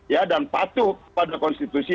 ya dan patuh pada konstitusi